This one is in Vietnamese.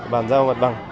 bàn giao mặt bằng